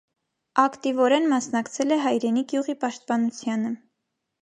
Ակտիվորեն մասնակցել է հայրենի գյուղի պաշտպանությանը։